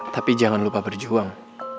tapi jangan lupa berjuang